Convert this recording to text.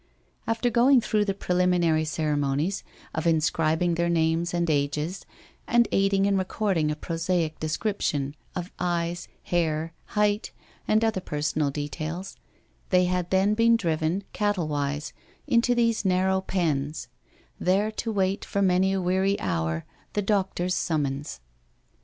After going through the preliminary ceremonies of inscribing their names and ages, and aiding in recording a prosaic description of eyes, hair, height, and other personal details, they had then been driven, cattle wise, into these narrow pens, there to a wait for many a weary hour the doctor's summons.